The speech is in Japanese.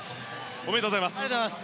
おめでとうございます。